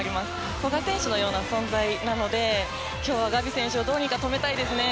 古賀選手のような存在なので今日はガビ選手をどうにか止めたいですね。